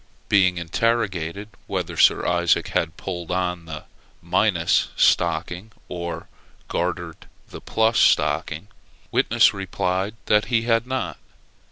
Being interrogated whether Sir Isaac had pulled on the minus stocking, or gartered the plus stocking, witness replied that he had not.